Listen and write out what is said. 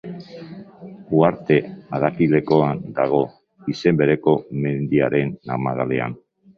Uharte Arakilen dago, izen bereko mendiaren magalean.